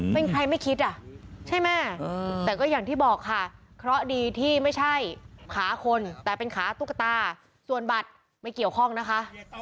เป็นใครไม่คิดอ่ะใช่ไหมแต่ก็อย่างที่บอกค่ะเคราะห์ดีที่ไม่ใช่ขาคนแต่เป็นขาตุ๊กตาส่วนบัตรไม่เกี่ยวข้องนะคะ